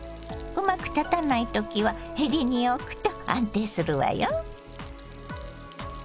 うまく立たない時はへりに置くと安定するわよ。